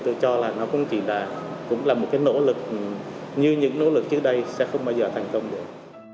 tôi cho là nó cũng chỉ là một nỗ lực như những nỗ lực trước đây sẽ không bao giờ thành công được